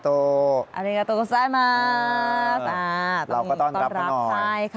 ต้องการรับเข้าหน่อย